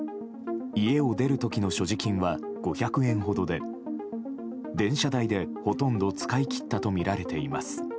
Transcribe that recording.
家を出る時の所持金は５００円ほどで電車代で、ほとんど使い切ったとみられています。